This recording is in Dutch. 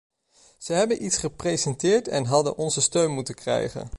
Ze hebben iets gepresteerd en hadden onze steun moeten krijgen.